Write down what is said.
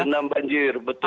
direndam banjir betul